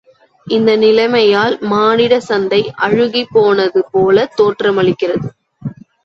இந்த நிலைமையால் மானிடச் சந்தை அழுகிப்போனது போலத் தோற்றம் அளிக்கிறது.